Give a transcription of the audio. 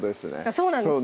そうなんです